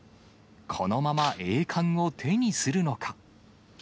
このまま栄冠を手にするのか。